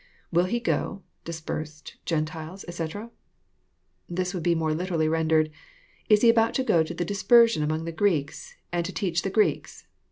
[Will He go,.»di8p€r8ed.,.GeTUile8f etc,"] This would be more literally rendered, '* Is He about to go to the dispersion among the Greeks, and to teach the Greeks."